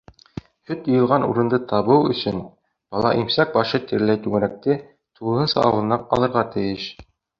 Һөт йыйылған урынды табыу өсөн бала имсәк башы тирәләй түңәрәкте тулыһынса ауыҙына алырға тейеш.